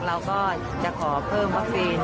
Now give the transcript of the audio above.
เราก็จะขอเพิ่มวัคซีน